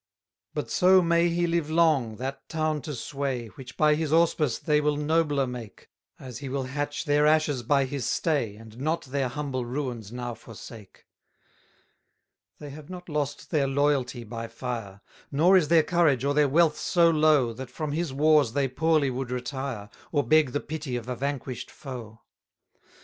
288 But so may he live long, that town to sway, Which by his auspice they will nobler make, As he will hatch their ashes by his stay, And not their humble ruins now forsake. 289 They have not lost their loyalty by fire; Nor is their courage or their wealth so low, That from his wars they poorly would retire, Or beg the pity of a vanquish'd foe.